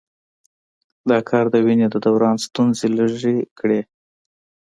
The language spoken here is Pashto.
دا کار د وینې د دوران ستونزې لږې کړي.